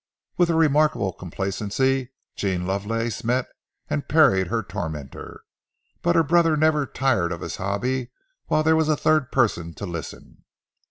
With a remarkable complacency, Jean Lovelace met and parried her tormentor, but her brother never tired of his hobby while there was a third person to listen.